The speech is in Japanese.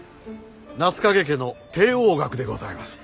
夏影家の帝王学でございます。